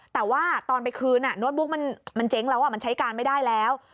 แต่ว่าตอนไปคืนโน้ตบุ๊กมันเจ๊งแล้วมันใช้การไม่ได้แล้ว